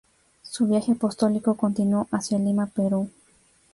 Su viaje apostólico continuó hacia Lima, Perú.